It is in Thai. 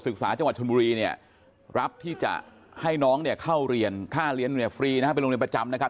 ศึกษาจังหวัดชนบุรีรับที่จะให้น้องเข้าเรียนค่าเรียนฟรีเป็นโรงเรียนประจำ